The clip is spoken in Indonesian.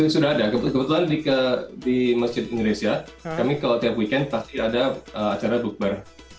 sudah ada kebetulan di masjid indonesia kami kalau tiap weekend pasti ada acara bukbar